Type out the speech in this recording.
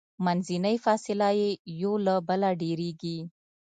منځنۍ فاصله یې یو له بله ډیریږي.